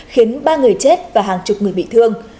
khiến ba người chết và hàng chục người bị thương